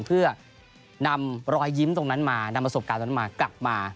เพื่อนำรอยยิ้มตรงนั้นมานำประสบการณ์ตรงนั้นมากลับมา